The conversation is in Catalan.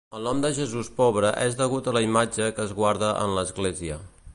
El nom de Jesús Pobre és degut a la imatge que es guarda en l'església.